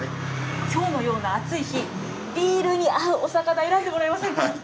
きょうのような暑い日、ビールに合うお魚、選んでもらえませんか